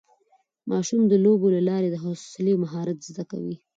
ماشومان د لوبو له لارې د حوصلې مهارت زده کوي